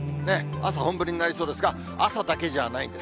朝、本降りになりそうですが、朝だけじゃないんです。